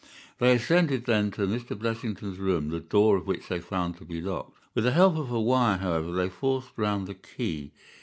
They ascended, then, to Mr. Blessington's room, the door of which they found to be locked. With the help of a wire, however, they forced round the key.